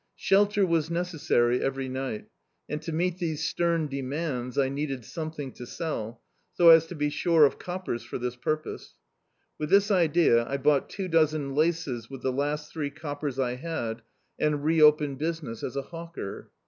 Shelter was necessary every ni^t, and to meet these stem demands, I needed something to sell, so as to be sure of coppers for this purpose. With this idea, I bought two dozen laces with the last three coppers I had, and re opened business as a hawker.